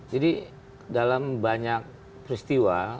jadi dalam banyak peristiwa